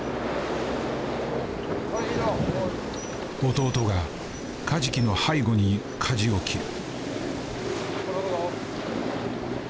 弟がカジキの背後にかじを切る。